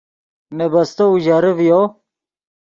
نے بستو اوژرے ڤیو